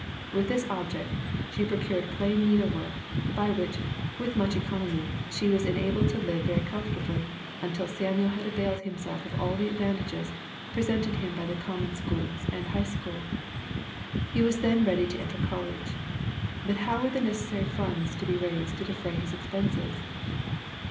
With this object, she procured plain needle work, by which, with much economy, she was enabled to live very comfortably, until Samuel had availed himself of all the advantages presented him by the common schools and high school. He was then ready to enter college but how were the necessary funds to be raised to defray his expenses?